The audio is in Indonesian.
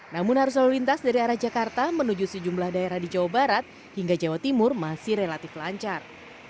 namun arus lalu lintas dari arah jakarta menuju sejumlah daerah di jawa barat hingga jawa timur masih relatif lancar